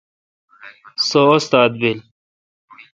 سو استاد بیل۔